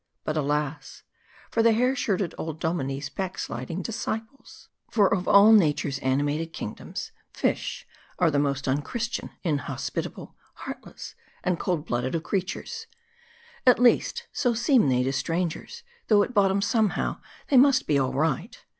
But alas, for the hair shirted old dominie's backsliding disciples. For, of all nature's animated kingdoms, fish are the most unchristian, inhospitable, heartless, and cold blooded of creatures. At least, so seem they to strangers ; though at bottom, somehow, they must be all right.